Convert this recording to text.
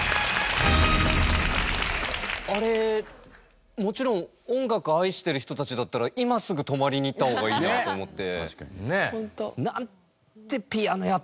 あれもちろん音楽愛してる人たちだったら今すぐ泊まりに行った方がいいなと思って。